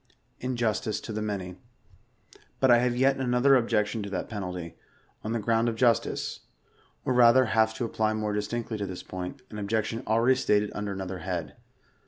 tVJrStlCE TO THE MAKT. But I have yet another objection to that penalty, on the ground of justice; or rather have to apply more distinctly to this point, an objection already stated under another head.